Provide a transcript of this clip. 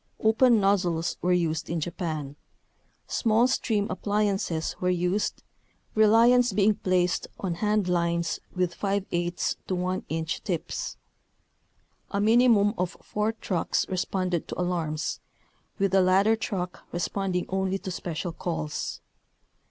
Open nozzles were used in Japan. Small stream appliances were used, reliance being placed on hand lines with % to 1 inch tips. A minimum of four trucks responded to alarms, with the ladder truck re sponding only to special calls.